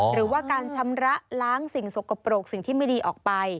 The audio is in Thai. หรือว่าการชำระล้างสิ่งสกปรกสิ่งที่ไม่ดีออกไป